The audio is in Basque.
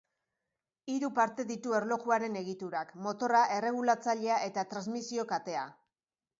Hiru parte ditu erlojuaren egiturak: motorra, erregulatzailea eta transmisio katea.